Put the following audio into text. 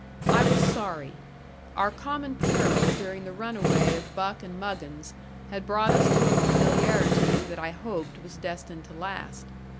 I was sorry. Our common peril during the runaway of Buck and Muggins had brought us to a familiarity that I hoped was destined to last.